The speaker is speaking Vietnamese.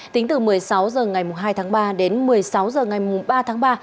tính từ một mươi sáu h ngày hai tháng ba đến một mươi sáu h ngày ba tháng ba